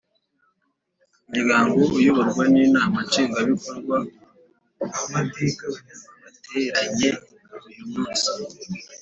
Umuryango uyoborwa ninama nshingwabikorwa wateranye uyumunsi